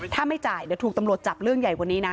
ถ้าไม่จ่ายเดี๋ยวถูกตำรวจจับเรื่องใหญ่กว่านี้นะ